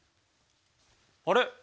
あれ？